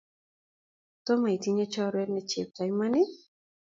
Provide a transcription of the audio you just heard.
Tomo itinye choruet ne chepto iman?